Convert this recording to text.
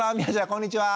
こんにちは！